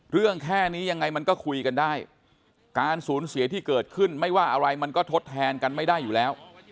แค่นี้ยังไงมันก็คุยกันได้การสูญเสียที่เกิดขึ้นไม่ว่าอะไรมันก็ทดแทนกันไม่ได้อยู่แล้ว